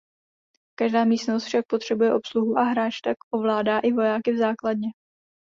Každá místnost však potřebuje obsluhu a hráč tak ovládá i vojáky v základně.